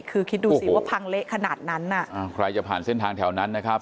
คือคิดดูสิว่าพังเละขนาดนั้นอ่ะอ่าใครจะผ่านเส้นทางแถวนั้นนะครับ